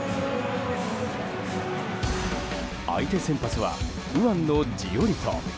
相手先発は、右腕のジオリト。